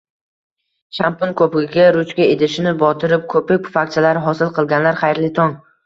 Shampun ko'pigiga ruchka idishini botirib, ko'pik pufakchalar hosil qilganlar, xayrli tong!